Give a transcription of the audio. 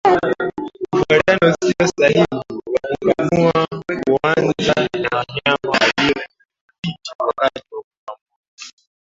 Mfuatano usio sahihi wa kukamua kuanza na wanyama walio na kititi wakati wa kukamua